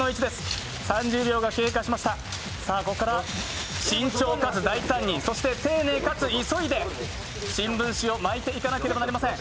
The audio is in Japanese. ここから慎重かつ大胆に、そして丁寧かつ急いで新聞紙を巻いていかなければなりません。